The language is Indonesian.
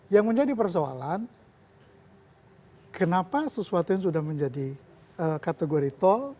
yang menjadi persoalan kenapa sesuatu yang sudah menjadi kategori tol